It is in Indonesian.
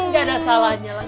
gak ada salahnya lah